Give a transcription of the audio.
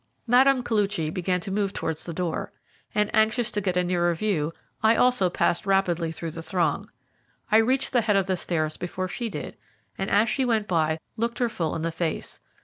Mme. Koluchy began to move towards the door, and, anxious to get a nearer view, I also passed rapidly through the throng. I reached the head of the stairs before she did, and as she went by looked her full in the face.